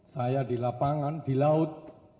saya di lapangan di laut